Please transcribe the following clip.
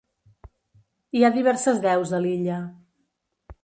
Hi ha diverses deus a l'illa.